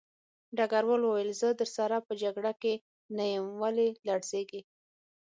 ډګروال وویل زه درسره په جګړه کې نه یم ولې لړزېږې